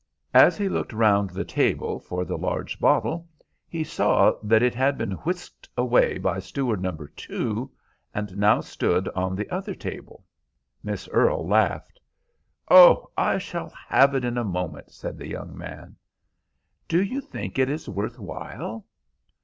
As he looked round the table for the large bottle, he saw that it had been whisked away by steward number two, and now stood on the other table. Miss Earle laughed. "Oh, I shall have it in a moment," said the young man. "Do you think it is worth while?"